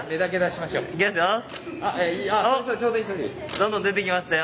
どんどん出てきましたよ。